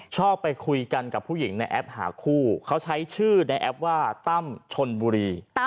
ชอบไปคุยกันกับผู้หญิงในแอปหาคู่เขาใช้ชื่อในแอปว่าตั้มชนบุรี